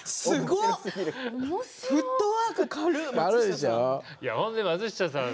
フットワーク軽い松下さん。